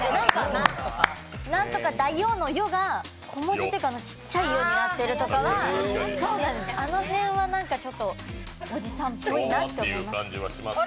「何とかだよ」の「よ」が小文字のちっちゃいのになってるとか、あの辺はなんかちょっと、おじさんっぽいなって感じがします。